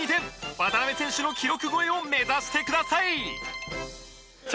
渡邊選手の記録超えを目指してください！